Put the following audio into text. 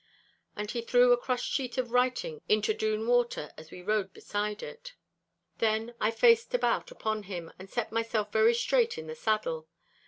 And he threw a crushed sheet of writing into Doon Water as we rode beside it. Then I faced about upon him, and set myself very straight in the saddle.